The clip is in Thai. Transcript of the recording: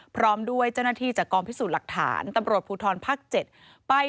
พร้อมด้วยเจ้าหน้าที่จากกองพิสูจน์หลักฐานตำรวจภูทรภาค๗ไป